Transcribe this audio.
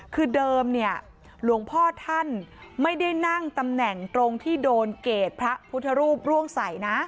คือเดิมเนี่ยหลวงพ่อท่านไม่ได้นั่งตำแหน่งตรงที่โดนเกรดพระพุทธรูปร่วงใส่นะ